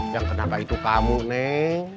yang kenapa itu kamu neng